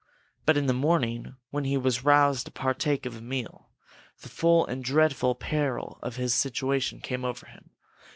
But in the morning, when he was roused to partake of a meal, the full and dreadful peril of his situation came over him.